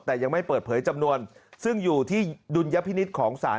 แต่ยังไม่เปิดเผยจำนวนซึ่งอยู่ที่ดุลยพินิษฐ์ของศาล